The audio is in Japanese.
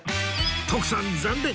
徳さん残念！